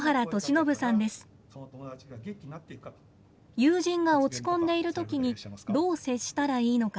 友人が落ち込んでいる時にどう接したらいいのか。